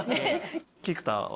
菊田は？